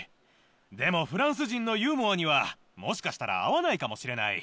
でもフランス人のユーモアにはもしかしたら合わないかもしれない。